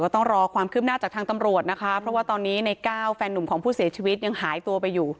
ต้องรอความคืบหน้าจากทางตำรวจนะคะเพราะว่าตอนนี้ในก้าวแฟนนุ่มของผู้เสียชีวิตยังหายตัวไปอยู่